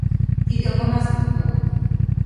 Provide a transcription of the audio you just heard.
Тиде Опанасмыт толыт.